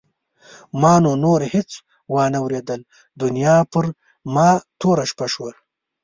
ما نو نور هېڅ وانه ورېدل دنیا پر ما توره شپه شوه.